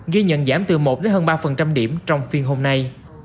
ghi nhận giảm từ một hơn ba điểm trong phiên hôm nay